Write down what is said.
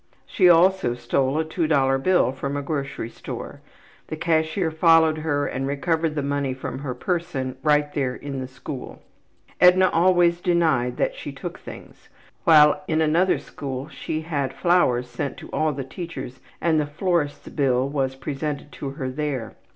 She also stole a two dollar bill from a grocery store; the cashier followed her and recovered the money from her person right there in the school. Edna always denied that she took things. While in another school she had flowers sent to all the teachers and the florist's bill was presented to her there.